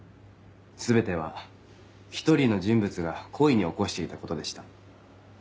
全ては１人の人物が故意に起こしていたことでした。